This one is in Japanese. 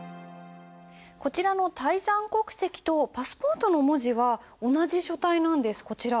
こちらの「泰山刻石」とパスポートの文字は同じ書体なんですこちら。